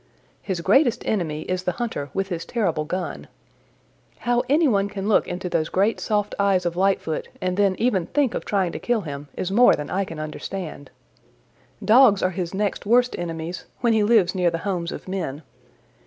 "His greatest enemy is the hunter with his terrible gun. How any one can look into those great soft eyes of Lightfoot and then even think of trying to kill him is more than I can understand. Dogs are his next worst enemies when he lives near the homes of men.